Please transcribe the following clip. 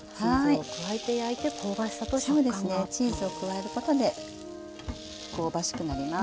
チーズを加えることで香ばしくなります。